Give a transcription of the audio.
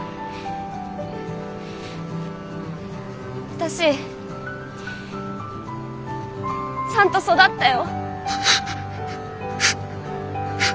私ちゃんと育ったよ。